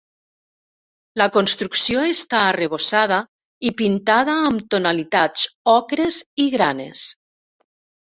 La construcció està arrebossada i pintada amb tonalitats ocres i granes.